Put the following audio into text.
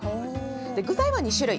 具材は２種類。